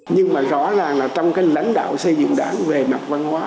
nhưng mà rõ ràng là trong cái lãnh đạo xây dựng đảng về mặt văn hóa